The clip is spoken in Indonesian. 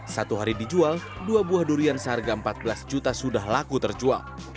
satu hari dijual dua buah durian seharga empat belas juta sudah laku terjual